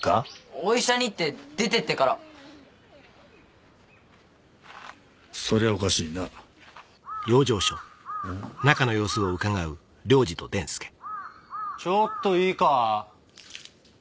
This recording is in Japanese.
お医者にって出てってからそりゃおかしいなうん？ちょっといいか？